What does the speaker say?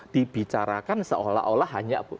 dibicarakan seolah olah hanya